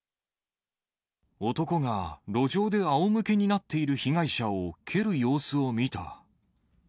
男が路上であおむけになっている被害者を蹴る様子を見た。